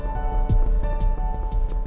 terima kasih pak